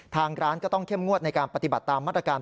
ทางร้านก็ต้องเข้มงวดในการปฏิบัติตามมาตรการ